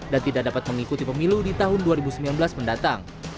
dan tidak dapat mengikuti pemilu di tahun dua ribu sembilan belas mendatang